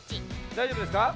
だいじょうぶですか？